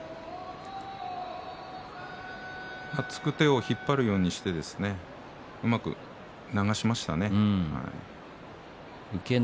あつく手を引っ張るようにしてうまく流しましたね。